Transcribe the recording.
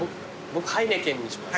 僕ハイネケンにします。